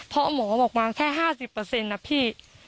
เพราะหมอบอกมาแค่๕๐นะพี่